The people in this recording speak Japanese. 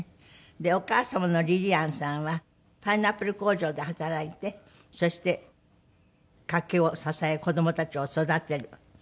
でお母様のリリアンさんはパイナップル工場で働いてそして家計を支え子供たちを育てる。